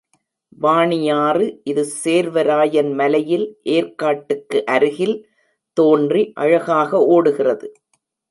வாணியாறு இது சேர்வராயன் மலையில் ஏர்க்காட்டுக்கு அருகில் தோன்றி அழகாக ஓடுகிறது.